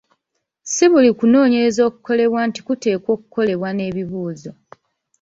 Si buli kunoonyereza okukolebwa nti kuteekwa okukolebwako n’ebibuuzo.